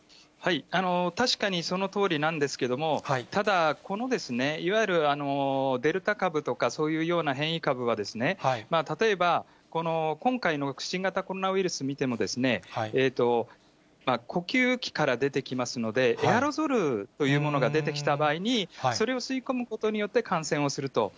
確かにそのとおりなんですけれども、ただこのいわゆるデルタ株とか、そういうような変異株は、例えば今回の新型コロナウイルス見ても、呼吸器から出てきますので、エアロゾルというものが出てきた場合に、それを吸い込むことによって感染をすると。